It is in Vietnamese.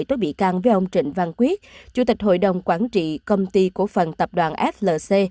trịnh văn quyết chủ tịch hội đồng quản trị công ty cổ phần tập đoàn flc